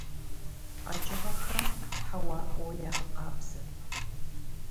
КъэкӀыгъэхэм хьэуар фӀыуэ ягъэкъабзэ.